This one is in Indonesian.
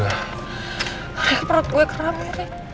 rekat perut gue keram ri